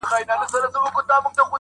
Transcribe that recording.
• یا دي کډه له خپل کوره بارومه..